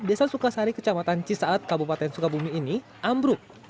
desa sukasari kecamatan cisaat kabupaten sukabumi ini ambruk